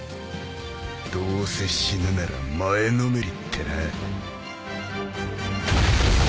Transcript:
どうせ死ぬなら前のめりってな。